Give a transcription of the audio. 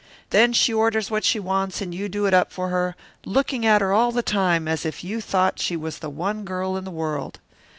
Then she orders what she wants and you do it up for her, looking at her all the time as if you thought she was the one girl in the world.